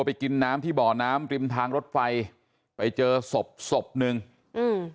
ไปกินน้ำที่บ่อน้ำริมทางรถไฟไปเจอศพศพหนึ่งอืม